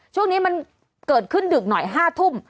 ช่วงนี้มันเกิดขึ้นดึกหน่อย๕ทุ่ม